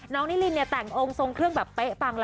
น้องนิรินแต่งองน์ทรงเครื่องแบบเปะปัง